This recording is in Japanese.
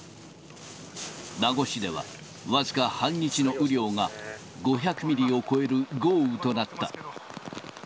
名護市では、僅か半日の雨量が５００ミリを超える豪雨となった。